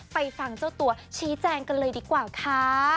ฟังเจ้าตัวชี้แจงกันเลยดีกว่าค่ะ